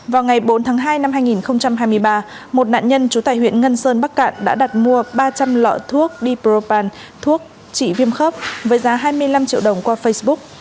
vào ngày bốn tháng hai năm hai nghìn hai mươi ba một nạn nhân trú tại huyện ngân sơn bắc cạn đã đặt mua ba trăm linh lọ thuốc dpropal thuốc chỉ viêm khớp với giá hai mươi năm triệu đồng qua facebook